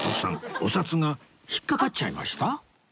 お札が引っかかっちゃいました？